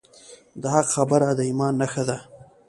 د حق خبره د ایمان نښه ده.